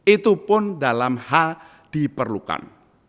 itu pun dalam hal diperlukan